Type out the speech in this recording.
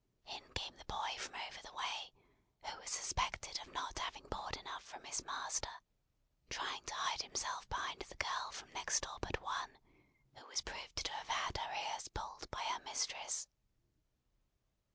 In came the boy from over the way, who was suspected of not having board enough from his master; trying to hide himself behind the girl from next door but one, who was proved to have had her ears pulled by her mistress.